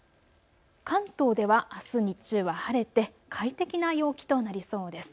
関東ではあす日中は晴れて快適な陽気となりそうです。